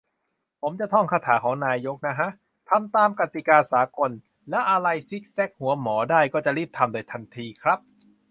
ผมก็จะท่องคาถาของนายกน่ะฮะ "ทำตามกติกาสากล" แล้วอะไรซิกแซกหัวหมอได้ ก็จะรีบทำโดยทันทีครับ